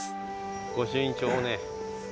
御朱印帳をね。